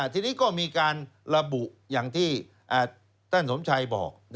ทีนี้ก็มีการระบุอย่างที่ท่านสมชัยบอก